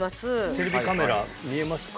テレビカメラ見えますか？